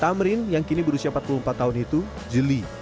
tamrin yang kini berusia empat puluh empat tahun itu jeli